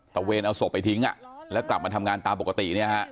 เวนเอาศพไปทิ้งแล้วกลับมาทำงานตามปกติเนี่ยฮะ